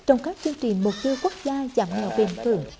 trong các chương trình mục tiêu quốc gia giảm nghèo bình thường